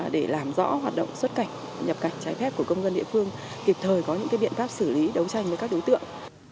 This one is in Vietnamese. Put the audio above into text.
để làm rõ hoạt động xuất cảnh nhập cảnh trái phép của công dân địa phương kịp thời có những biện pháp xử lý đấu tranh với các đối tượng